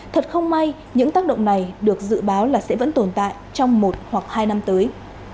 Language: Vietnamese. thật không may những tác động này được dự báo là sẽ vẫn tồn tại trong một hoặc hai năm tới